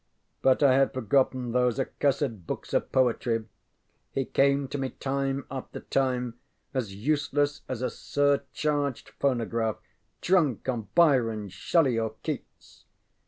But I had forgotten those accursed books of poetry. He came to me time after time, as useless as a surcharged phonograph drunk on Byron, Shelley, or Keats.